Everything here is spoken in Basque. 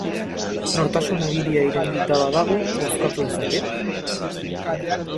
Nortasun-agiria iraungita badago, bozkatu dezaket?